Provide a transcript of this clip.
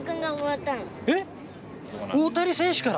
えっ、大谷選手から？